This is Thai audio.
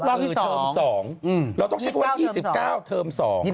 เราต้องเช็คว่า๒๙เทอม๒